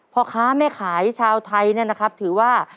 พ่อค้าแม่ขายชาวไทยเนี่ยนะครับถือว่า